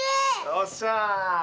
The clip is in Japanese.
よっしゃあ！